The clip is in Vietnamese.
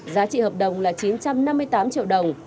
giá trị hợp đồng là chín trăm năm mươi tám triệu đồng